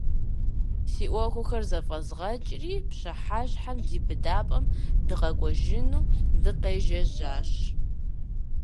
Си Ӏуэхухэр зэфӀэзгъэкӀри, пщыхьэщхьэм ди быдапӀэм дыкъэкӀуэжыну дыкъежьэжащ.